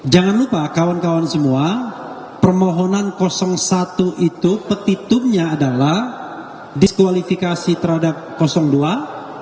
jangan lupa kawan kawan semua permohonan satu itu petitumnya adalah diskualifikasi terhadap dua atau setidak tidaknya itu p product development tool